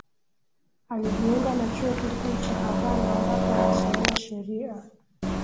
Alijiunga na Chuo Kikuu cha Havana ambapo alisomea Sheria